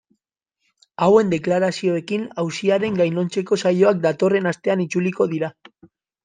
Hauen deklarazioekin auziaren gainontzeko saioak datorren astean itzuliko dira.